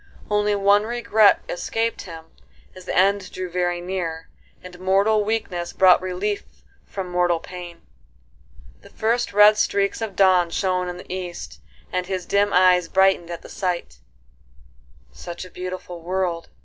Only one regret escaped him as the end drew very near, and mortal weakness brought relief from mortal pain. The first red streaks of dawn shone in the east, and his dim eyes brightened at the sight; "Such a beautiful world!"